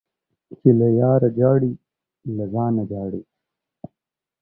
چي له ياره ژاړې ، له ځانه ژاړې.